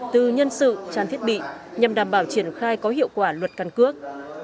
từ nhân sự tràn thiết bị nhằm đảm bảo triển khai có hiệu quả luật căn cước